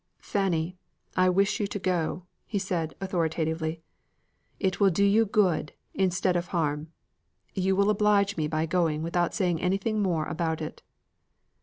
"Fanny! I wish you to go," said he, authoritatively. "It will do you good, instead of harm. You will oblige me by going, without my saying anything more about it."